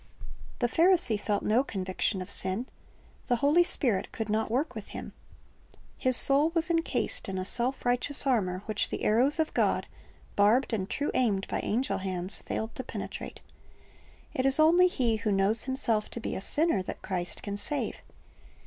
The Pharisee felt no conviction of sin. The Holy Spirit could not work with him. His soul was encased in a self righteous armor which the arrows of God, barbed and true aimed by angel hands, failed to penetrate. It is only he who knows himself to be a sinner that Christ can save.